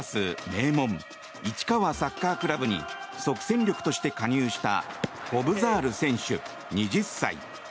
名門市川サッカークラブに即戦力として加入したコブザール選手、２０歳。